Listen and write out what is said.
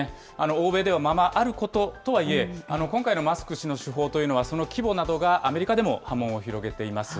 欧米ではままあることとはいえ、今回のマスク氏の手法というのは、その規模などがアメリカでも波紋を広げています。